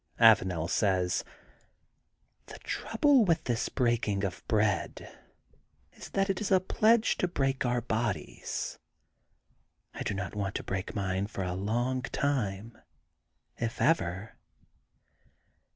Avanel say^^ — ^The trouble with this breaking of bread is that it is a pledge to break our bodies. I do not want to break mine for a long time, if ever.